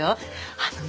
あのね